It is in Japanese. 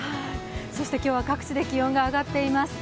そして今日は各地で気温が上がっています。